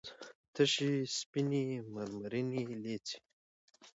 تشې سپينې مرمرينې لېچې